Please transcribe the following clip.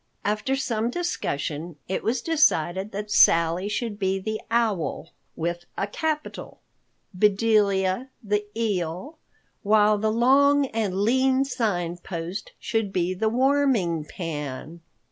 After some discussion, it was decided that Sally should be the Owl (with a capital), Bedelia the Eel, while the long and lean Sign Post should be the Warming Pan.